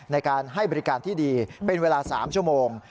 ในการให้บริการที่ดีเป็นเวลา๓ชั่วโมง